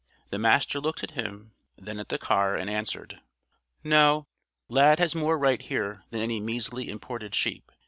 The Master looked at him, then at the car, and answered: "No. Lad has more right here than any measly imported sheep.